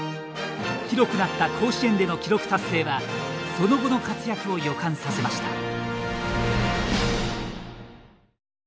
広くなった甲子園での記録達成はその後の活躍を予感させました。